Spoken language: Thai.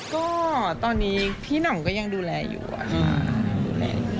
ก็ตอนนี้พี่หน่ำก็ยังดูแลอยู่